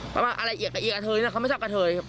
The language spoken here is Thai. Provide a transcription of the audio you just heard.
บอกว่าอะไรเอียกกับเธอนี่นะเขาไม่ชอบกับเธอ